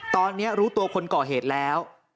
ตอนนี้รู้ตัวคนก่อเหตุแล้ว